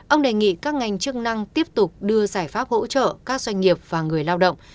ông đề nghị các ngành chức năng tiếp tục đưa giải pháp hỗ trợ các doanh nghiệp và người lao động